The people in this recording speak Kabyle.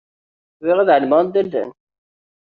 Bɣiɣ ad εelmeɣ anda llan.